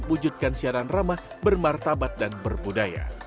wujudkan siaran ramah bermartabat dan berbudaya